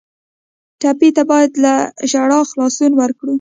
ټپي ته باید له ژړا خلاصون ورکړو.